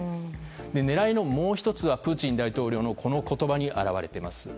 狙いのもう１つはプーチン大統領のこの言葉に表れています。